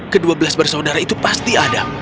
kedua belas bersaudara itu pasti ada